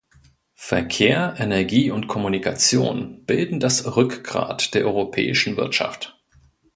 Verkehr, Energie und Kommunikation bilden das Rückgrat der europäischen Wirtschaft.